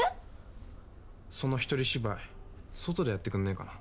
その一人芝居外でやってくんねえかな。